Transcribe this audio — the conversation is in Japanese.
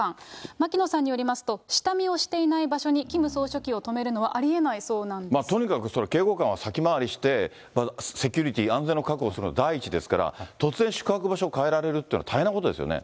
牧野さんによりますと、下見をしていない場所にキム総書記を泊めるのはありえないそうなとにかく警護官は先回りして、セキュリティー安全の確保するのが第一ですから、突然、宿泊場所を変えられるというのは大変なことですよね。